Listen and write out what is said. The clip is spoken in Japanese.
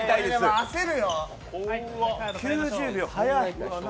焦るよ、９０秒速い。